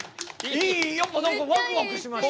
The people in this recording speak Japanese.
やっぱ何かワクワクしました。